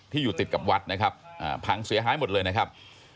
อยู่ติดกับวัดนะครับพังเสียหายหมดเลยนะครับ